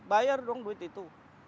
bayar dong duit itu